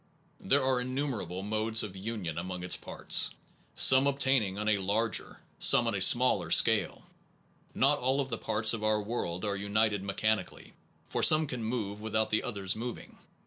There are innumerable modes of union among its parts, some obtaining on a larger, some on a smaller scale. Not all the parts of our world are united mechanically, for some can move without the others moving.